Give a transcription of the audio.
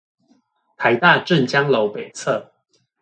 臺大鄭江樓北側